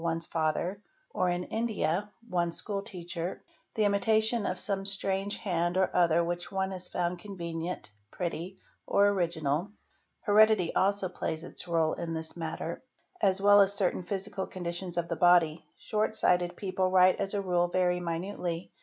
one's father, or in India one's —: school teacher, the imitation of some strange hand or other which one has found convenient, pretty, or original; heredity also plays its réle in — this matter as well as certain physical conditions of the body ; short sighted people write as a rule very minutely.